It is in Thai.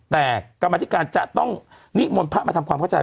แต่กรรมธิการจะต้องนิมนต์พระมาทำความเข้าใจ